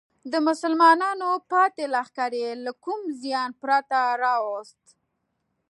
د مسلمانانو پاتې لښکر یې له کوم زیان پرته راوویست.